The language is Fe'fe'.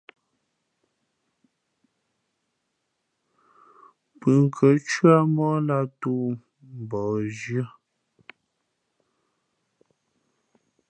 Pʉ̂nkhʉ̄ᾱ cwíáh móh lǎh toō mbαᾱ zhʉ̄ᾱ.